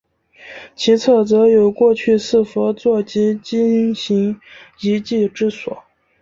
其侧则有过去四佛坐及经行遗迹之所。